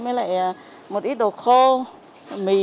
mới lại một ít đồ khô mì